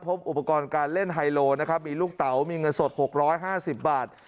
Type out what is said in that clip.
พบอุปกรณ์การเล่นไฮโลนะครับมีลูกเต๋ามีเงินสดหกร้อยห้าสิบบาท